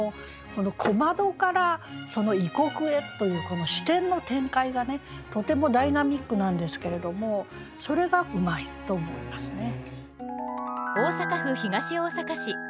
この「小窓」から「異国」へというこの視点の展開がねとてもダイナミックなんですけれどもそれがうまいと思いますね。